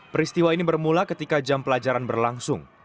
peristiwa ini bermula ketika jam pelajaran berlangsung